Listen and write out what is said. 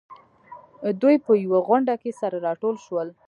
دوی په يوه غونډه کې سره راټول شول.